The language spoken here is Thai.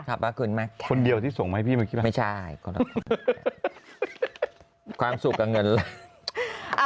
ครับวะคุณมั้ยครับไม่ใช่ของเราคุณแม่งครับความสุขกับเงินเลย